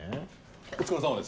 お疲れさまです。